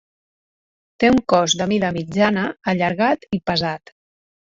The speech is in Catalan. Té un cos de mida mitjana, allargat i pesat.